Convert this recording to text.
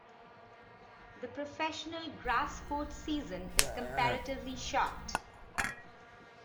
The professional grass court season is comparatively short.